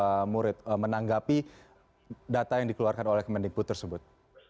bagaimana masukan dari orang tua murid menanggapi data yang dikeluarkan oleh kemendikbud tersebut